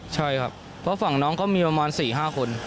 ใช่ครับเพราะฝั่งน้องเขามีประมาณ๔๕คน